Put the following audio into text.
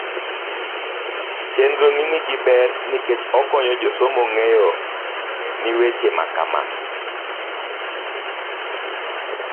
chenro ni ni gi ber ne nikech okonyo jasomo ng'eyo ni weche makama